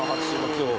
今日。